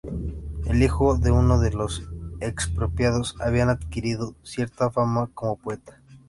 El hijo de uno de los expropiados había adquirido cierta fama como poeta.